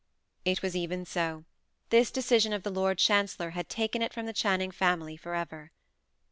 It was even so. This decision of the Lord Chancellor had taken it from the Channing family for ever.